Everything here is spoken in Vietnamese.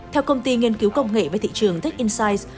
theo công ty nghiên cứu công nghệ và thị trường tech inse